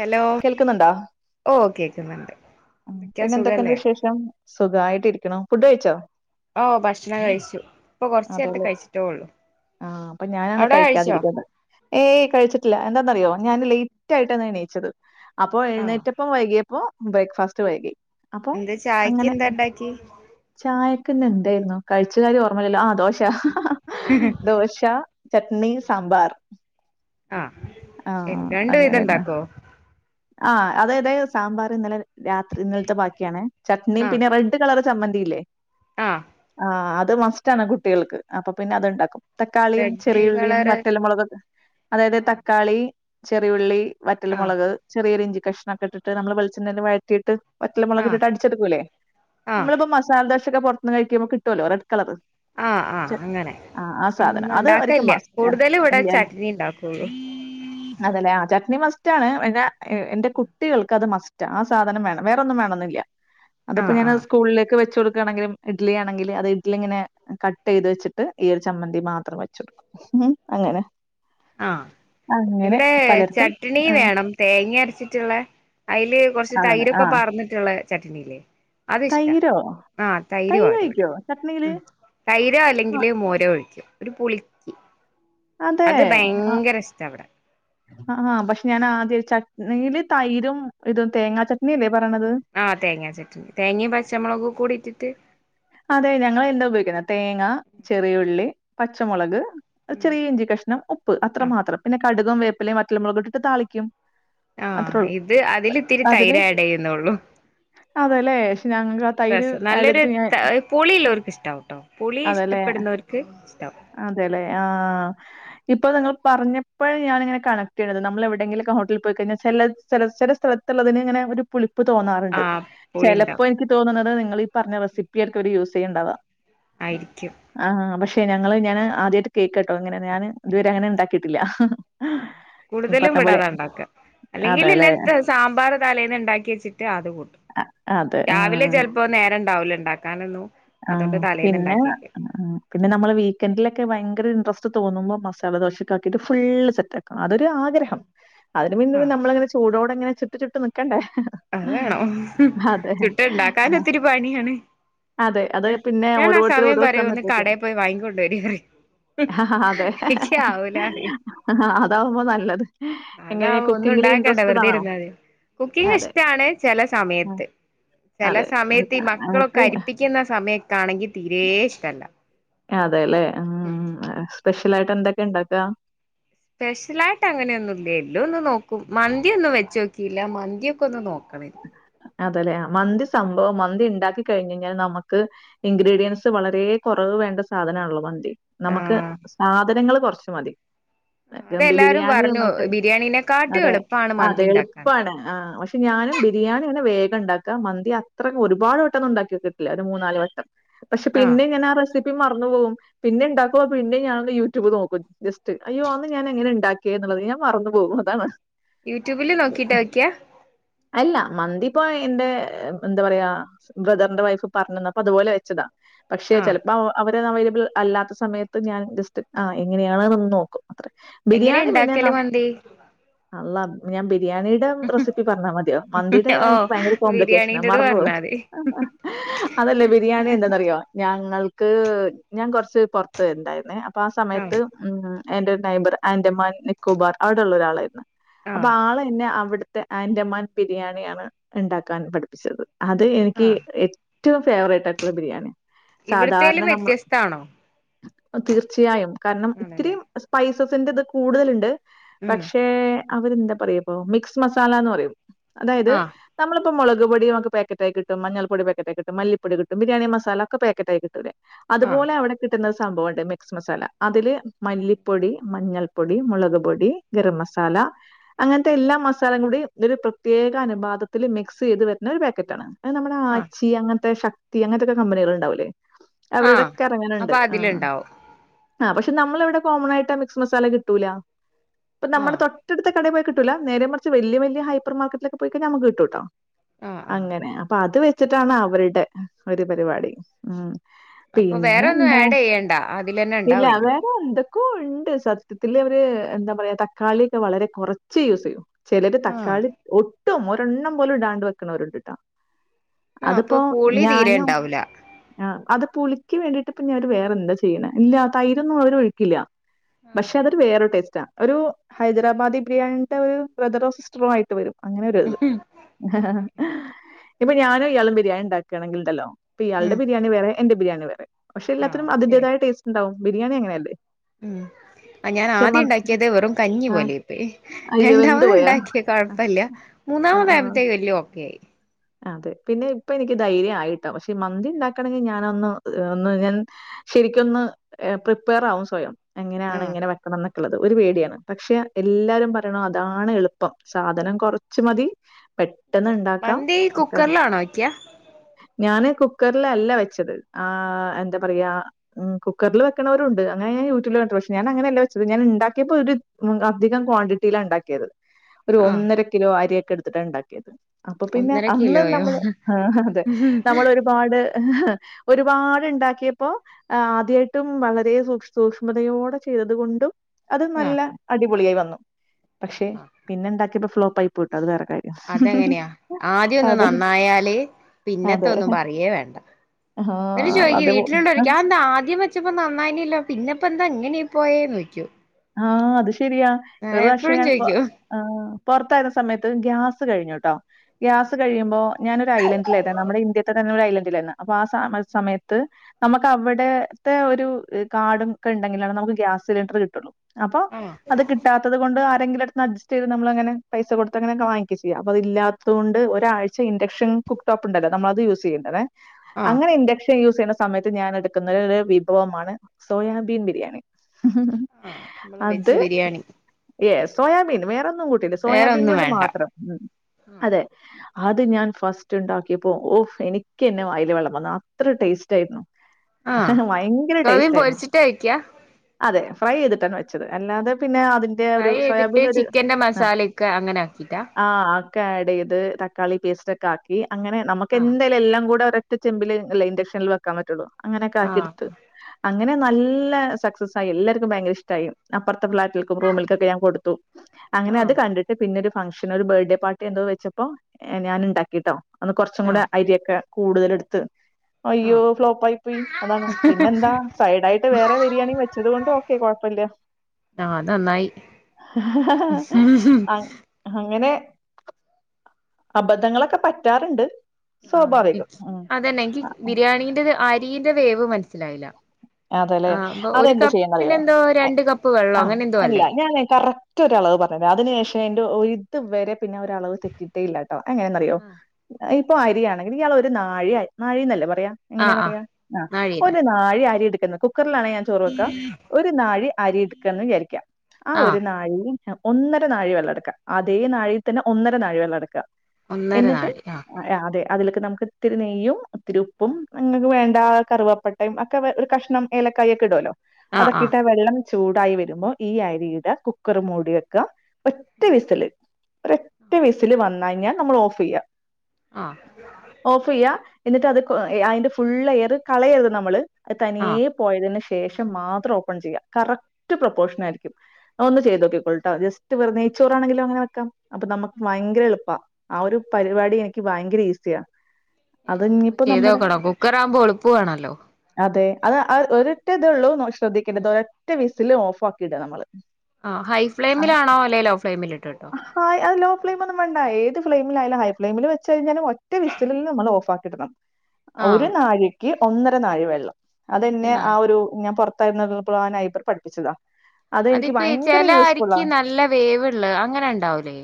Hello കേൾക്കുന്നുണ്ടോ? ഓ കേക്കുന്നുണ്ട് എന്തൊക്കെയാ പിന്നെ എന്തൊക്കെയണ്ട് സുഖല്ലേ വിശേഷം സുഖമായിട്ടി ഇരിക്കണോ ഫുഡ് കഴിച്ചോ ഓ ഭക്ഷണം കഴിച്ചു ഇപ്പൊ കൊറച്ച നേേരത്ത് കഴിച്ചിട്ടേള്ളൂ ആഹ അപ്പൊ ഞാനാണ് കഴിക്കാതിരിക്കുന്നത് ഏയ് കഴിച്ചിട്ടില്ല എന്താന്നറിയോ ഞാൻ ലേറ്റ് ആയിട്ടാാണ് എണീയിച്ചത് അപ്പൊ ആഹ എഴുന്നേറ്റപ്പം വൈകിയ അപ്പൊ ബ്രേക്ക്ഫാസ്റ്റ് വൈകി അപ്പൊ എന്താ ചായക്ക് അങ്ങനെ [inaudible] ചായക്കന്നെ എന്തായിരുന്നു കഴിച്ച കാര്യം ഓർമ്മല്ലോ ആ ദോഷ ഉം ദോശ ചട്നി സാമ്പാർ ആ ആ രണ്ട വിധ അങ്ങനെയായിരുന്നു. ഉണ്ടാക്കോ ആ അതെത് സാമ്പാർ ഇന്നലെ രാത്രി ഇന്നലത്തെ ബാക്കിയാാണ് ചട്നിയും ആഹ പിന്നെ റെഡ കള ചമ്മന്തിയില്ലേ ആഹ ആ അത് മസ്റ്റ് ആണ് കുട്ടികൾക്ക് അപ്പൊ പിന്നെ അത്ണ്ടാക്കും തക്കാളിയും റെഡ് ചെറിയുള്ളിയും കളറ് മറ്റല്ലമുളക് അതായത് ആഹ തക്കാളി ചെറിയുള്ളി വറ്റൽ ആഹ മുളക് ചെറിയരു ഇഞ്ചി കഷണണംക്കെ ഇട്ട്മ്മള് വളെണ് വ കട്ട് വറ്റല്ല മുളക് ആഹ ഇട്ടിട്ട് അടിച്ചെടുക്കൂല്ലേ ആഹ നമ്മളിപ്പോ മസാലദോ പക്കെ പുറത്ത്ന്ന് കഴിക്കുമ്പോ കട്ടുമല്ലോ ഡ്ളർ ആഹ് ആഹ് അങ്ങനെ ഒന്ന അത് അവര്ക്ക് ഉണ്ടാക്കല്ല മസ്റ്റാ കൂടുതല ഇവിടെ ഇല്ല്യാലോ ചട്നി ഉണ്ടാക്കുള്ളൂ അതല്ലേ ചട്നി മസ്റ്റ് ആണ് എ എന്റെ കുട്ടികൾക്ക് അത് മസ്റ്റ് ആ സാധനം വേണം വേറൊന്നും വേണന്നില്ല അതിപ്പോ ആഹ് ഞാൻ ആഹ് സ്കൂളിലക്ക് വെച്ച് കൊടുക്കുകണെങ്കില ഇഡലി ആണെങ്ക അത്ഡലി ഇങ്ങെ കട്ട് ചെയ്ത് വെച്ചിട്ട് ഈ ഒരു ചമ്മന്തി മാത്രം വെച്ചു കൊടുക്കും അങ്ങനെ ആഹ് അങ്ങനെ ഇവിടെ പലർക്കും ചട്ട്ണി ആഹ് വേണം തേങ്ങ അരച്ചിട്ടുള്ള അയ്ല് കൊറച്ച് അതന്നെ തൈരൊക്കെ ആഹ് പാർന്നിട്ടുള്ള ചട്ട്ണിയില്ലേ അത്ഷ്ടാ തൈരോ? ആഹ് തൈര് പാരും ഇവിടെ ഒഴിക്കോ ചട്നിയില്? ഉം തൈരോ ആ, അല്ലെങ്കില് മോരോ ഒഴിക്കും ഒരു പുളി അതെ ഇത് ആഹ് ഭയങ്കര ഇഷ്ട ഇവടെ ആഹ് പക്ഷെ ഞാൻ ആദ്യ ചട്നിൽ തൈരും ഇതും തേങ്ങാ ചട്നിയല്ലേ പറണത് ആഹ് തേങ്ങ ചട്ടനി തേങ്ങയും പച്ചമുളകും കൂടി ഇട്ടിട്ട് അതെ ഞങ്ങള് എന്താ ഉപയോഗിക്കുന്നത് തേങ്ങ ചെറിയുള്ളി പച്ചമുളക് ഉം ചെറിയ ഇഞ്ചി കഷ്ണം ഉപ്പ് അത്ര ആഹ് മാത്രം പിന്നെ കടുകും വേപ്പലയും വറ്റൽ മുളകും ഇട്ടിട്ട് താളിക്കും ആഹ് അത്രള്ളു ഇത് അതില് ഇത്തിരി അതില് തൈര് ആഡ് ചെയ്യുന്നൊള്ളൂ അതല്ലേ ക്ഷെ ഞങ്ങക്ക് ആ തൈര് അതെടുത്ത് ഞാൻ പുളിള്ളവർക്ക് ഇഷ്ടവൂട്ടോ പുളി ഇഷ്ടപ്പെടുന്നവർക്ക് ഇഷ്ട്ടവും അതെല്ലേ ആഹ് ഇപ്പൊ നിങ്ങൾ പറഞ്ഞപ്പഴ ഞാനിങ്ങനെ കണക്ട് ചെയ്യണത് നമ്മൾ എവിടെയെങ്കിലും ഹോട്ടിൽ പോയി കഴിഞ്ഞാൽ ചില ചെലെ സ്ഥലത് ത്തിള്ളതിനിങ്ങനെ ഒര് പുളി പ്പ തോന്നാറുണ്ട് ആഹ് ചിലപ്പോ പുളിണ്ടാവും എനിക്ക് തോന്നണത് നിങ്ങള് ഈ പറഞ്ഞ റെസിപ്പിയർക്കും അവര് യൂസ് ചെയ്യണ്ടവാ ആയിരിക്കും ആഹ് പക്ഷേ ഞങ്ങള് ഞാന് ആദ്യായിട്ട് കേക്കട്ടോ ഇങ്ങനെ ഞാന് ഇതുവരെ അങ്ങനെ ഇണ്ടാക്കിട്ടില്ല ആഹ് കൂടുതലും ഇവിടാതാണ്ടാക്ക അതേല്ലേ! അല്ലെങ്കിലിന്നെ സാമ്പാർ തലേന്ന് ഇണ്ടാക്കി വെച്ചിട്ട് അത് കൂട്ടും അതെ. ആ. രാവിലെ ചിലപ്പോ നേരണ്ടാവൂല ഉണ്ടാക്കാനൊന്നും അതുകൊണ്ട് ആഹ് തലേന്ന് പിന്നെ ഉണ്ടാക്കിയേക്കും ആഹ് പിന്നെ നമ്മൾ വീക്കെൻഡിലൊക്കെ ഭയങ്കര ഇൻട്രസ്റ്റ് തോന്നുമ്പോ മസാലദോശയൊക്കെ ആക്കിയിട്ട് ഫുള്ള് സെറ്റ് ആക്കും അതൊരാഗ്രഹം അതിന് മുന്നെ പിന്നെ ആഹ് നമ്മളങ്ങനെ ചൂടോടെങ്ങനെ ചുട്ടു ചുട്ട് നിക്കണ്ടേ അത് വേണം അതെ. ചുട്ട് ആ ഉണ്ടാക്കാൻ ഒത്തിരി പണിയാണ് അതെ. അത് പിന്നെ ഞാൻ ആ ഓരോരുത്തരും സമയം ഓരോ പറയും ഒന്ന് സമയത്തേക്ക് കടയെ പോയി വാങ്ങിക്കൊണ്ടരി പറയും ആ അതെ എനിക്ക് ആവൂല പറയും അതാവുമ്പോ നല്ലത് എങ്ങനെ അതാവുമ്പോ ഒന്നും കുക്കിംഗില് ഉണ്ടാക്കണ്ട ഇൻട്രസ്റ്റഡ് വെറുതെ ആണോ? ഇരുന്നാതി കുക്കിങ് ഇഷ് അതെ. ട്ടാണ് ചെല ആ സമയത്ത് ചില അതെ. സമയത്ത് ഈ മക്കളൊക്കെ എന്നിട്ട് അരിപ്പി ക്കുന്ന സമയത്താണെങ്കി തീരെ ഇഷ്ടല്ല അതെല്ലെ ഉം ആഹ് സ്പെഷ്യൽ ആയിട്ട് എന്തൊക്കെ ഇണ്ടാക്കാ സ്പെഷ്യലായിട്ട് അങ്ങനെയൊന്നും ഇല്ലേ എല്ലോ ഒന്ന് നോക്കും മന്തി ഒന്നും വെച്ച് നോക്കിയില്ല മന്തി ഒക്കെ ഒന്ന് നോക്കണം അതലെ മന്തി സംഭവം മന്തി ഉണ്ടാക്കി കഴിഞ്ഞഴിഞ്ഞാൽ നമുക്ക് ഇൻഗ്രീഡിയൻറ്സ് വളരെ കുറവ് വേണ്ട സാധന ആണല്ലോ മന്തി നമുക്ക് ആഹ് സാധനങ്ങള് കൊറച് മതി ഗമ്പ് അതെല്ലാരും ബിരിയാണി പറഞ്ഞു നമ്മക്ക് ബിരിയാണീനെക്കാട്ടും അതെ എളുപ്പാണ് അതെ മന്തി ഇണ്ടാക്കാൻ എളുപ്പാണ് ആ പ പക്ഷെ ഞാനും ബിരിയാണി അങ്ങനെ വേഗണ്ടാക്ക മന്തി അത്ര ഒരുപാട് വട്ടം ഒന്നും ഇണ്ടാക്കി നോക്കിട്ടില്ല ഒരു മൂന്നാല് വട്ടം പക്ഷെ ആഹ് പിന്നെ ഞാൻ ആ റെസിപ്പി മറന്നു പോവും പിന്നെ ഇണ്ടാക്കുമ്പോ പിന്നെ ഞാൻ ഒന്ന് യൂട്യൂബ് നോക്കും ജസ്റ്റ് അയ്യോ അന്ന് ഞാൻ എങ്ങനെ ഉണ്ടാക്കിയ എന്നുള്ളത് ഞാൻ മറന്നു പോകും അതാണ് യൂട്യൂബില് നോക്കിയിട്ട വെക്ക്യ അല്ല മന്തിപ്പോ എന്റെ എന്താ പറയാ ബ്രദറിന്റെ വൈഫ് പറഞ്ഞന്നപ്പൊ അതുപോലെ വെച്ചതാ പക്ഷെ ആഹ് ചിലപ്പോ അവരെ അവൈലബിൾ അല്ലാത്ത സമയത്ത് ഞാൻ ജസ്റ്റ് ആ എങ്ങനെയാണ്ന്ന് നോക്കും അത് എങ്ങനെ ബിരിയാണി പിന്നെ ഇണ്ടാക്കല് നമ്മ മന്തി അല്ലാഹ് ഞാൻ ബിരിയാണിടെ റെസിപ്പി പറഞ്ഞാൽ മതി യോ മന്തിയുടെ കാര്യം ഓഹ് എനിക്ക് ഭയങ്കര കോംപ്ലിക്കേഷന ബിരിയാണീന്റത് മറന്ന് പോവും പറഞ്ഞാതി അതല്ലേ ബിരിയാണി എന്താന്ന് അറിയോ യോ ഞങ്ങൾക്ക് ഞാൻ കൊറച്ച് പോറത്ത് പോയിണ്ടാർന്നെ അപ്പൊ ആ സമയത്ത് ആഹ് ഉം എന്റെ നൈബർ ആന്റമാൻ നിക്കോബാർ അവിടെള്ള ഒരാളായിരുന്നു അപ്പൊ ആഹ് ആൾന്നെ അവിടെ തെ ആന്റമാൻ ബിരിയാണിയാണ് ഇണ്ടാക്കാൻ പഠിപ്പിച്ചത് അത് എനിക്ക് ആഹ് ഏ റ്റവും ഫേവറേറ്റായിട്ടുള്ള ബിരിയാണി സാധാരണ ഇവിടത്തേലും നമ്മള് വ്യത്യസ്താണോ ആഹ് തീർച്ചയായും കാരണം ആണല്ലേ ഇത്തിരിം സ്പൈസസിന്റെത് കൂടുതല്ണ്ട് ഉം പക്ഷേ അവരെന്താ പറയപ്പൊ മിക്സ് മസാലാന്ന് പറയും അതായത് ആഹ് നമ്മള്പ്പോ മൊളക് പൊടി നമുക്ക് പാക്കറ്റായി കിട്ടും മഞ്ഞൾ പൊടി പാക്കറ്റായി കിട്ടും മല്ലിപ്പൊടി കിട്ടും ബിരിയാണി മസാല ഒക്കെ പാക്കറ്റായി കിട്ടൂലേ ആഹ് അതുപോലെ അവടെ കിട്ട്ന്ന സംഭവൊണ്ട് മിക്സ് മസാല അതില് മല്ലിപ്പൊടി, മഞ്ഞൾ പൊടി, മുളക് പൊടി ഗരം മസാല അങ്ങത്തെ എല്ലാ മസാലകളുടെയും ഇതൊര് പ്ര ത്യേക അനുപാതത്തില് മിക്സെയ്ത് വെര്ന്ന ഒരു പാക്കറ്റാണ് അത് നമ്മടെ ആഹ് ആച്ചി അങ്ങത്തെ ശക് തി അങ്ങനത്തൊക്കെ കമ്പനികള് ഇണ്ടാവുല്ലേ ആഹ് അവരുടെക്കെ എറങ്ങ്ന്ണ്ട് അപ്പൊ ആഹ് അതില്ണ്ടാവും ആഹ് പക്ഷേ നമ്മളെ ഇവടെ കോമണായിട്ടാ മിക്സ് മസാല കിട്ടൂലാ ഇപ്പൊ നമ്മടെ ആഹ് തൊ ട്ടട്ത്ത കടേപോയാ കിട്ടൂല നേരെ മറിച്ച് വെല്ല്യ വെല്ല്യ ഹൈപ്പർ മാർക്കറ്റ്ലൊക്ക പോയിക്കഴിഞ്ഞ അമ്മക്ക് കിട്ടുട്ടോ ആഹ് ആഹ് അങ്ങനെ അപ്പ അത് വെച്ചിട്ടാണ് അവര്ടെ ഒരു പരിപാടി ഉം അപ്പൊ പിന്നെ വേറെ ഒന്നും ആഡെയ്യേണ്ട അതിലന്നെ ഇണ്ടാവെല്ലോ ഓഹ് എന്തക്കൊ ഇണ്ട് സത്യത്തില് അവര് എന്താ പറയാ തക്കാളിക്കെ വളരെ കൊറച്ചെ യൂസെയ്യു ചെലര് ആഹ് തക്കാളി ഒട്ടും ഒരെണ്ണം പോലും ഇടാണ്ട് വെക്ക്ണവര് ഇണ്ട്ട്ടൊ ആ അപ്പൊ അത്പ്പോ പുളി തീരെ ഞാനും ഉണ്ടാവൂല ആഹ് അത് പുളിക്ക് വേണ്ടിട്ട്പ്പഞ്ഞവര് വേറെ എന്താ ചെയ്യ്ണെ ഇല്ലാ തൈരൊന്നും അവര് ഒഴിക്കില്ല പക്ഷേ അതൊരു വേറൊരു ടേസ്റ്റാ ഒരു ഹൈദരാബാദി ബിരിയാണിന്റെ ഒരു ബ്രദറോ സിസ്റ്ററോ ആയിട്ട് വെരും അങ്ങനെ ഒരു ഇത് ഉം ഇപ്പൊ ഞാനും ഇയാളും ബിരിയാണി ഇണ്ടാക്കാണെങ്കിൽ ഇണ്ടല്ലോ ഇപ്പ ഇയാള്ടെ ഉം ബിരിയാണി വേറെ എന്റെ ബിരിയാണി വേറേ പക്ഷെ എല്ലാത്തിനും അതിന്റെതായ ടേസ്റ്റ്ണ്ടാവും ബിരിയാണി അങ്ങനെയല്ലേ? ഉം ആഹ് ഞാൻ പക്ഷെ ആദ്യം മ- ഇണ്ടാക്കിയത് വെറും കഞ്ഞി ആ, പോലെ ആയിപോയി അയ്യോ എന്ത് രണ്ടാമത് പോയാ ഇണ്ടാക്കിയെ കൊഴപ്പല്ല മൂന്നാമതായപഴത്തേക്ക് എല്ല്യോ ഓക്കെ ആയി അത് പിന്നെ ഇപ്പ എനിക്ക്യ് ധൈര്യം ആയിട്ടോ പക്ഷേ മന്തി ഇണ്ടാക്കണെങ്കി ഞാനൊന്ന് ഒന്ന് ഞാൻ ശരിക്കൊന്ന് ഏഹ് പ്രിപ്പേയർ ആവും സ്വയം. ആ എങ്ങനെയാണ് ഇങ്ങനെ വെക്കണെന്ന് ള്ളത് ഒരു പേടിയാണ് പക്ഷേ എല്ലാരും പറിണോ അതാണ് എളുപ്പം സാധനം കൊറച്ച് മതി പെട്ടെന്ന് ഇണ്ടാക്കാം ഈ കുക്കറ്ലാണോ വെക്ക്യാ ഞാന് കുക്കറ്ല്ലല്ല വെച്ചത് ആഹ് എന്താ പറയാ ഉം കുക്കറ്ല് വെക്ക്ണോരുണ്ട് അങ്ങനെ ഞാ യൂട്യൂബില് കണ്ട് പക്ഷേ ഞാന അങ്ങനെയല്ല വെച്ചത് ഞാൻ ഇണ്ടാക്കിയപ്പോ ഒര് ഉം അധികം ക്വാണ്ടിറ്റിയിലാ ഇണ്ടാക്കിയത് ഒരു ആ ഒന്നര കിലോ അരിയൊക്കെ ഇട്ത്തിട്ടാ ഇണ്ടാക്കിയത് അപ്പോ പിന്നെ ഒന്നര ഇന്ന് കിലോയോ നമ്മള് ആഹ് അതെ നമ്മളൊര്പാട് ഒരുപാട് ഇണ്ടാക്കിയപ്പോ ആദ്യായിട്ടും വളരെ സൂക്ഷ് സൂക്ഷ്മതയോടെ ചെയ്തത് കൊണ്ടും അത് ആ നല്ല അടിപൊളിയായി വന്നു. പക്ഷെ പിന്നെ ഇണ്ടാക്കിയപ്പോ ഫ്ലോപ്പായി പോയിട്ടൊ അത് വേറെക്കാര്യം ഹ് ഹ് ആദ്യയൊന്ന് നന്നായാല് അതെ പിന്നത്തൊന്നും പറയേ വേണ്ട ആ എന്ന്ട്ട് ചോയിക്കിം അത് വീട്ടില്ള്ളോരക്കെ അയെന്താ ആദ്യം വെ ച്ചപ്പോ നന്നായിനല്ലോ പിന്നെ ഇപ്പെന്താ ഇങ്ങനെയി പോയേന്നോയിക്ക്യും ആഹ് അത് ശെരിയാ ഒര് പ്രാവശ്യം എപ്പഴും ഞാൻ ഇപ്പൊ ചോയിക്കോ ആഹ് പൊറത്തായിര്ന്ന സമയത്ത് ഗ്യാസ് കഴിഞ്ഞുട്ടോ ആഹ് ഗ്യാസ് കഴിയുമ്പോ ഞാനൊരു ഐലൻഡിലായതാ നമ്മടെ ഇന്ത്യെത്തന്നെ അങ്ങനൊര് ഐലൻഡിലാര്ന്ന് അപ്പ ആസാമല് സമയത്ത് നമ്മക്ക് അവിടെത്തെ ഒരു ഏഹ് കാർഡും ഒക്കെ ഇണ്ടെങ്കിലാണ് നമുക്ക് ഗ്യാസ് സിലിണ്ടർ കിട്ടൊള്ളു അപ്പൊ ആണോ അത് കിട്ടാത്തത് കൊണ്ട് ആരെങ്കിലും അട് ഒന്ന അഡ്ജസ്റ്റെയ്ത് നമ്മളങ്ങനെ പൈസ കൊടുത്ത് അങ്ങനെക്കെ വാങ്ങിക്ക്യാ ചെയ്യാ അപ്പ അത് ഇല്ലാത്തത് കൊണ്ട് ഒരാഴ്ച ഇൻഡക്ഷൻ കുക്ക് ടോപ്പ് ഇണ്ടല്ലോ നമ്മളത് യൂസ്സെയ്യേണ്ടതെ ആഹ് അങ്ങനെ ഇൻഡക്ഷൻ യൂസ്സെയ്യ്ണ സമയത്ത് ഞാൻ എട്ക്ക്ന്ന ഒര് ര് വിഭവമാണ് സോയാബീൻ ബിരിയാണി ആഹ് നമ്മളെ അത് വെജ് ബിരിയാണി ഏഹ് സോയാബീൻ വേറൊന്നും കൂട്ടിയില്ല വേറെ സോയാബീൻ ഒന്നും കൊണ്ട് വേണ്ട മാത്രം ഉം ആഹ് അതെ അത് ഞാൻ ഫസ്റ്റ് ഉണ്ടാക്കിയപ്പോ ഓഹ് എനിക്ക്ന്നെ വായില് വെള്ളം വന്നു അത്ര ടേസ്റ്റ് ആയിരുന്നു. ആഹ് ഭയങ്കര സോയാബീൻ ടേസ്റ്റ് ആയിരുന്നു പൊരിച്ചിട്ടാ വെക്കാ അതെ ഫ്രൈ ചെയ്തിട്ടാണ് വെച്ചത് അല്ലാതെ പിന്നെ അതി ഫ്രൈ ചെയ്തിട്ട് ചിക്കന്റെ മസാലൊക്കെ അങ്ങനെ ആക്കിട്ടാ ആഹ് അതൊക്കെ ആഡ് ചെയ്ത് തക്കാളി പേസ്റ്റ് ഒക്കെ ആക്കി അങ്ങനെ നമുക്ക് ആഹ് എന്തായലും എല്ലാം കൂടെ ഒ റ്റ ചെമ്പില് അല്ല ഇൻഡക്ഷനില് വെക്കാൻ പറ്റുള്ളു അങ്ങനെയൊക്കെ ആഹ് ആക്കിയെടുത്ത് അങ്ങനെ നല്ല സക്സസ് ആയി എല്ലാർക്കും ഭയങ്കര ഇഷ്ടായി അപ്പുറത്തെ ഫ്ളാറ്റിൽക്കും റൂമിൽക്കൊക്കെ ഞാൻ കൊടുത്തു അങ്ങനെ അത് ആഹ് കണ്ടിട്ട് പിന്നൊരു ഫംഗ്ഷൻ ഒരു ബർഡേ പാർട്ടി എന്തോ വെച്ചപ്പോ ഞാൻ ഉണ്ടാക്കിട്ടോ അന്ന് കുറച്ചും കൂടെ ആഹ് അരിയൊക്കെ കൂടുതലെടുത്ത് ആഹ് അയ്യോ ഫ്ലോപ്പ് ആയി പോയി അതാണ് പിന്നെന്താ സൈഡ് ആയിട്ട് വേറെ ബിരിയാണി വെച്ചത് കൊണ്ട് ഓ ക്കേ കുഴപ്പില്ല ആഹ് അത് നന്നായി ആഹ് അ അങ്ങനെ അബദ്ധങ്ങളൊക്കെ പറ്റാറ്ണ്ട് ആഹ് എനിക്ക് അതന്നെ എനിക്ക് ബിരിയാണീന്റൊര് അരീന്റെ വേവ് മനസ്സിലായില്ല അതെല്ലെ ആഹ് അപ്പൊ ഒരു അതെന്താ കപ്പിന് ചെയ്യാന്നറിയോ എന്തോ രണ്ട് കപ്പ് വെള്ളോ ആഹ് അങ്ങനെ എന്തോ അല്ല അല്ലേ ഞാനെ കറ റ്റൊ ഒരളവ് പറഞ്ഞില്ല അതിനു ശേഷം എന്റെ ഇതുവരെ പിന്നെ ഒരളവ് തെറ്റിയിട്ടേ ഇല്ലാ ട്ടോ എങ്ങനെയെന്നറിയോ ഇപ്പൊ അരിയാണെങ്കില് ഇയാൾ ഒരു നാഴി അരി നാഴിന്നല്ലേ പറയാ എങ്ങനെയാ ആഹ് ആഹ് പറയാ ആഹ് നാഴിയെന്നെ ഒരു നാഴി അരിയടുക്കുന്ന് കുക്കറിലാണേ ഞാൻ ചോറ് വെക്കാ ഒരു നാഴി അരി എടുക്കാന്ന് വിചാരിക്കാ ആഹ് ഒരു നാഴി ഒന്നര നാഴി വെള്ളം എടുക്കാ അതേ നാഴിയിൽ തന്നെ ഒന്നര നാഴി വെള്ളം എടുക്കുക ഒന്നര എന്നിട്ട് നാഴി ആഹ് അതെ അതിലേക്ക് നമുക്ക് ഇത്തിരി നെയ്യും ഇത്തിരി ഉപ്പും നിങ്ങക്ക് വേണ്ട കറുവപ്പട്ടയും ഒക്കെ കഷ്ണം ഏലക്കായ ഒക്കെ ഇടുവല്ലോ അതൊക്കെ ഇട്ട് ആഹ് വെള്ളം ചൂടായി വരുമ്പോ ഈ അരീടെ കുക്കറ് മൂടി വെക്കാ ഒറ്റ വിസില് ഒരൊറ്റ വിസില് വന്ന് കഴിഞ്ഞാ നമ്മള് ഓഫ് ചെയ്യാ ആഹ് ഓഫ് ചെയ്യാ എന്നിട്ട് അത് അതിന്റെ ഫുള്ള് എയറ് കളയരുത് നമ്മള് അത് ആഹ് തനിയേ പോയതിന് ശേഷം മാത്രം ഓപ്പൺ ചെയ്യുക കറക്റ്റ് പ്രൊപ്പോഷൻ ആയിരിക്കും ഒന്ന് ചെയ്തോക്കിക്കോൾട്ടോ ജസ്റ്റ് വെറുതെ നെയ്ച്ചോറാണെങ്കിലും അങ്ങനെ വെക്കാം അപ്പം നമ്മക്ക് ഭയങ്കര എളുപ്പാ ആഹ് ഒരു പരിപാടി എനിക്ക് ഭയങ്കര ഈസിയാ അത് ഇനിപ്പോ നമ്മടെ കുക്കറാവുമ്പോ എളപ്പുവാണല്ലോ അതെ അത് ഒരൊറ്റ ഇതേ ഒള്ളൂ ശ്രദ്ധിക്കേണ്ടത് ഒരൊറ്റ വിസില് ഓഫ് ആക്കിയിടുക നമ്മള് ആഹ് ഹൈ ഫ്ലേമിലാണോ അല്ലേ ലോ ഫ്ലേമിലിട്ട ഹായ് അത് ലോഫ്ളേം ഒന്നും വേണ്ട ഏത് ഫ്ലെയിമിലായാലും ഹൈ ഫ്ലയിമിൽ വെച്ച് കഴിഞ്ഞാലും ഒറ്റ വിസലിൽ നമ്മൾ ഓഫാക്കി ഇടണം ആഹ് ഒരു നാഴിക്ക് ഒന്നര നാഴി വെള്ളം ഇത് അതന്നെ ആഹ് കാണിക്ക ഒരു ഞാൻ പുറ ത്താരുന്നപ്പോ ആഹ് നെയ്‌ബർ പഠപ്പിച്ചതാ അതിപ്പ ഈ ചെല അരിക്ക് നല്ല വേവ്ള്ള അങ്ങനെ ഉണ്ടാവൂലേ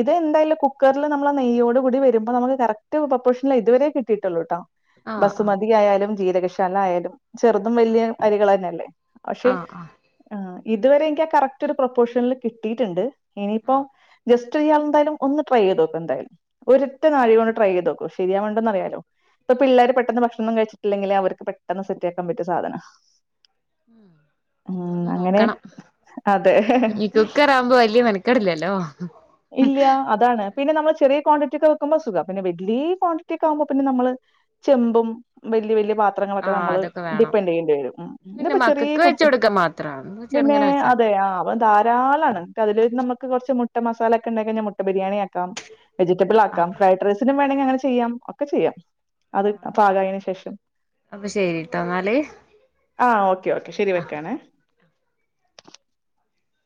ഇത് എന്തായാലും കുക്കറില് നമ്മളാ നെയ്യോട് കൂടി വരുമ്പ നമുക്ക് കറക്റ്റ് പൊപ്പോഷനിലാ ഇതുവരെ കിട്ടീട്ടുള്ളൂ ട്ടോ ആഹ് ആഹ് ബസുമതിയായാലും ജീരകശാല ആയാലും ചെറുതും വലിയ അരികൾ തന്നെയല്ലേ പക്ഷെ ആഹ് ആഹ് ഏഹ് ഇതുവരെ എനിക്ക് ആഹ് കറക്റ്റ് ഒരു പ്രൊപ്പോഷനില് കിട്ടീട്ടുണ്ട് ഇനിയിപ്പോ ആഹ് ജസ്റ്റ് ഇയാൾ എന്തായാലും ഒന്ന് ട്രൈ ചെയ്ത് നോക്ക് എന്തായാലും ഒരൊറ്റ നാഴികൊണ്ട് കൊണ്ട് ട്രൈ ചെയ്ത് നോക്ക് ശരിയാവൊണ്ടെന്ന് അറിയാലോ ഇപ്പൊ പിള്ളേര് ആഹ് പെട്ടെന്ന് ഭക്ഷണം കഴിച്ചിട്ടില്ലെങ്കില് അവർക്ക് പെട്ടെന്ന് സെറ്റ് ആക്കാൻ പറ്റിയ സാധനാ ഉം ഉം എന്നൊന്ന് അങ്ങനെ നോക്കണം അതെ ആത് ആവുമ്പോ വല്യ മെനക്കേടില്ലല്ലോ ഇല്ല അതാണ് പിന്നെ നമ്മള് ചെറിയ ക്വാണ്ടിറ്റി ഒക്കെ വെക്കുമ്പോ സുഖവാ പിന്നെ വെല്ലി ക്വാണ്ടിറ്റി ഒക്കെ ആകുമ്പോ പിന്നെ നമ്മള് ചെമ്പും വല്യ വല്യ പാ ത്രങ്ങളൊക്കെ ആഹ് നമ്മള് അതൊക്കെ വേണം ഡിപ്പെൻഡ് ചെയ്യേണ്ടി വരും പിന്നെ ഇതിപ്പോ ചെറിയ മക്കക്ക് വെച്ച് കൊടുക്കാൻ മാത്രാ പിന്നെ ചെറുങ്ങനെ വെച്ചാ മതി അതെ ആഹ് [unintelligible] ധാരാളാണ് അതില് നമ്മക്ക് കുറച്ച് മുട്ട മസാല ഒക്കെ ഉണ്ടായി കഴിഞ്ഞാ മുട്ട ബിരിയാണി ആക്കാം വെജിറ്റബിൾ ആക്കാം ആഹ് ഫ്രൈഡ് റൈസിനും വേണേങ്കി അങ്ങനെ ചെയ്യാം ഒക്കെ ചെയ്യാം അത് പാകം ആയേന് ശേഷം അപ്പൊ ശരിട്ടോ എന്നാല് ആഹ് ഓക്കെ ഓക്കെ ശരി ആഹ് വെക്കാണ്.